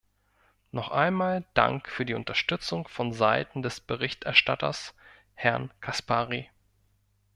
Noch einmal Dank für die Unterstützung vonseiten des Berichterstatters, Herrn Caspary.